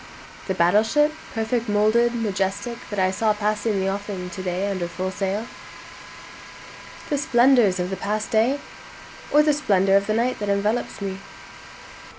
The battle ship, perfect model'd, majestic, that I saw pass the offing to day under full sail? The splendors of the past day? Or the splendor of the night that envelopes me?